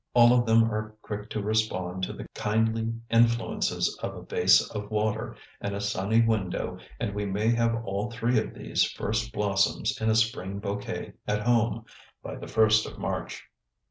All of them are quick to respond to the kindly influences of a vase of water and a sunny window and we may have all three of these first blossoms in a spring bouquet at home by the first of March.